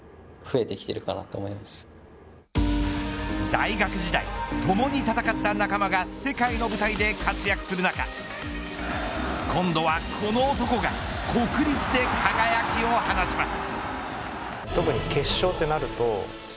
大学時代ともに戦った仲間が世界の舞台で活躍する中今度はこの男が国立で輝きを放ちます。